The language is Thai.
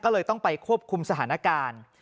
ก็เลยต้องไปควบคุมสถานการณ์